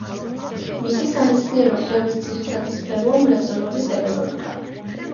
მისი სამეცნიერო კვლევის ძირითადი სფეროა მრეწველობის ეკონომიკა.